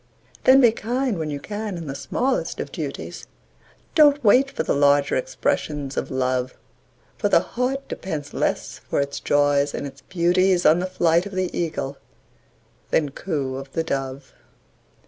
Then be kind when you can in the smallest of duties, Don't wait for the larger expressions of Love; For the heart depends less for its joys and its beauties On the flight of the Eagle than coo of the Dove.